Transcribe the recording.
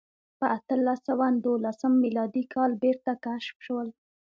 په اتلس سوه دولسم میلادي کال بېرته کشف شول.